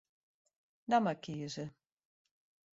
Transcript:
Namme kieze.